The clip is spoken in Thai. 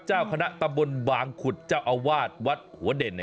เจ้าคณะตำบลบางขุดเจ้าอาวาสวัดหัวเด่น